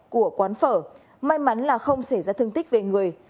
của quán phở may mắn là không xảy ra thương tích về người